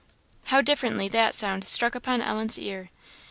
How differently that sound struck upon Ellen's ear!